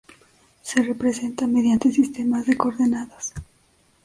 Se representa mediante sistemas de coordenadas.